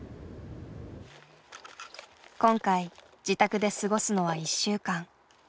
今回自宅で過ごすのは１週間。